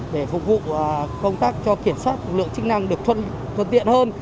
để phục vụ công tác cho kiểm soát lực lượng chức năng được thuận tiện hơn